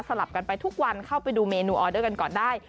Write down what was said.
ลับกันไปทุกวันเข้าไปดูเมนูออเดอร์กันก่อนได้